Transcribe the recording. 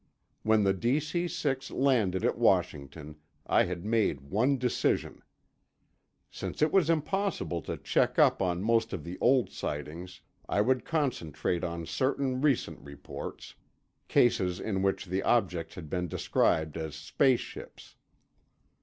When the DC 6 landed at Washington, I had made one decision. Since it was impossible to check up on most of the old sightings, I would concentrate on certain recent reports—cases in which the objects had been described as space ships.